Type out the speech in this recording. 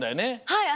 はい。